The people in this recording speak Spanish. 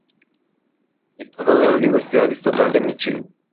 Se graduó de la Universidad Estatal de Míchigan.